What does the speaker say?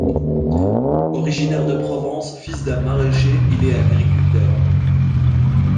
Originaire de Provence, fils d'un maraîcher, il est agriculteur.